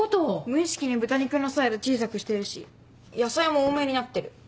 無意識に豚肉のサイズ小さくしてるし野菜も多めになってる。